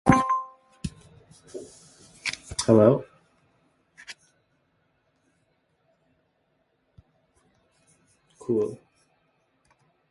Tajam pisau karena diasah